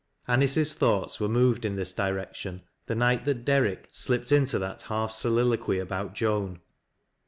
Anice's thoughts were moved in this direction tlie night that Derrick slipped into that half soliloquy about Joan.